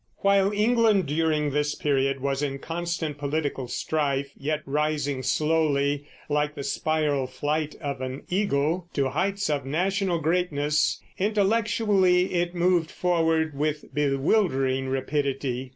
While England during this period was in constant political strife, yet rising slowly, like the spiral flight of an eagle, to heights of national greatness, intellectually it moved forward with bewildering rapidity.